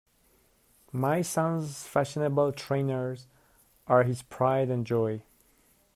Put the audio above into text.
My son's fashionable trainers are his pride and joy